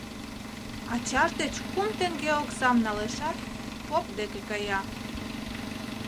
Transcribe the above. Ачаж деч кум теҥге оксам налешат, поп деке кая.